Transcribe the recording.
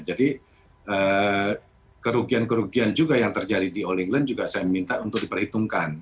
jadi kerugian kerugian juga yang terjadi di all england juga saya minta untuk diperhitungkan